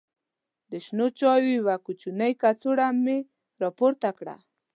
د شنو چایو یوه کوچنۍ کڅوړه مې راپورته کړه.